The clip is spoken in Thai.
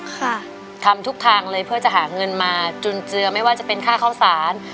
ค่ะทำทุกทางเลยเพื่อจะหาเงินมาจุนเจือไม่ว่าจะเป็นค่าเข้าสาร